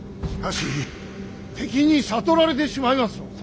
しかし敵に悟られてしまいますぞ。